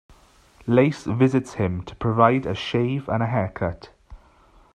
Lace visits him to provide a shave and a haircut.